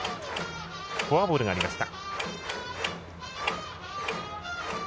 フォアボールがありました。